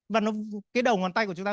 và cái đầu ngón tay của chúng ta